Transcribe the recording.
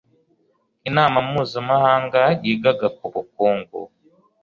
inama mpuzamahanga yigaga ku bukungu